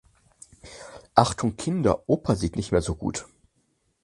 Achtung Kinder, Opa sieht nicht mehr so gut!